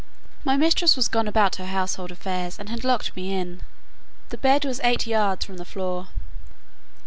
My mistress was gone about her household affairs, and had locked me in. The bed was eight yards from the floor.